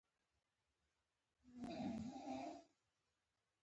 دا د میرمن مابرلي یادښت دی چې دلته پروت دی